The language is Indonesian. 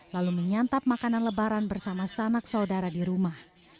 lalu menyantap makanan lebaran bersama sanak saudara di rumah